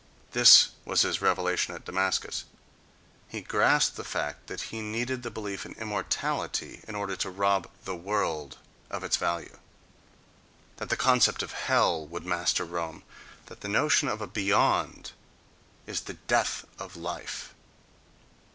This was his revelation at Damascus: he grasped the fact that he needed the belief in immortality in order to rob "the world" of its value, that the concept of "hell" would master Rome—that the notion of a "beyond" is the death of life....